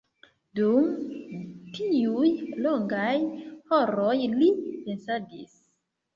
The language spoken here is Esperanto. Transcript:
Dum tiuj longaj horoj li pensadis.